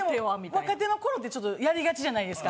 若手の頃ってちょっとやりがちじゃないですか？